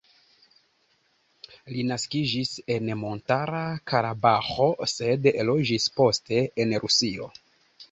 Li naskiĝis en Montara Karabaĥo, sed loĝis poste en Rusio.